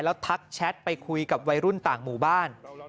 แล้วทักแชทไปคุยกับวัยรุ่นต่างหมู่บ้าน